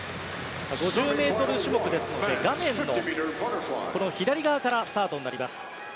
５０ｍ種目ですと画面の左側からスタートになります。